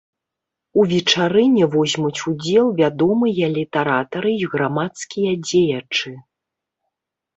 У вечарыне возьмуць удзел вядомыя літаратары і грамадскія дзеячы.